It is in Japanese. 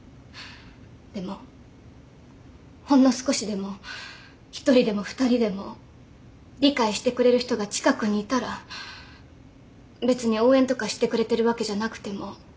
でもほんの少しでも１人でも２人でも理解してくれる人が近くにいたら別に応援とかしてくれてるわけじゃなくても理解してくれてるだけで